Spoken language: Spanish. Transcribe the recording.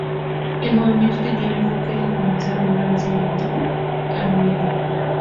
El movimiento tenía el enfoque de comenzar un "Renacimiento Armenio".